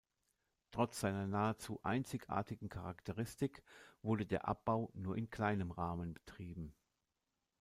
Trotz seiner nahezu einzigartigen Charakteristik wurde der Abbau nur in kleinem Rahmen betrieben.